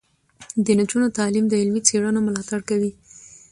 د نجونو تعلیم د علمي څیړنو ملاتړ کوي.